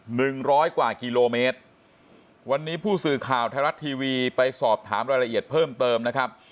หนึ่งร้อยกว่ากิโลเมตรวันนี้ผู้สื่อข่าวไทยรัฐทีวีไปสอบถามรายละเอียดเพิ่มเติมนะครับ